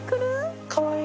かわいい。